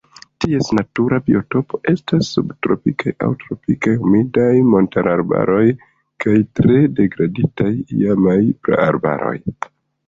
Ties natura biotopo estas subtropikaj aŭ tropikaj humidaj montararbaroj kaj tre degraditaj iamaj praarbaroj.